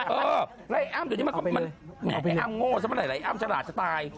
เออแล้วอ้ำอยู่ที่นี่มันอ้ำโง่สักเมื่อไหร่อ้ำฉลาดจะตาย